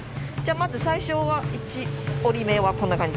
まず最初は１折り目はこんな感じ。